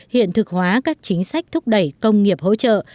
hiện thực hóa các chính sách thúc đẩy công nghiệp hỗ trợ